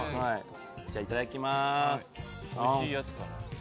いただきます。